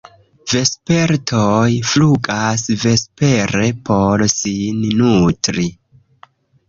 Vespertoj flugas vespere por sin nutri.